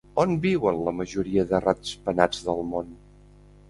On viuen la majoria de ratpenats del món?